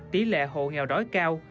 tỷ lệ hộ nghèo đói cao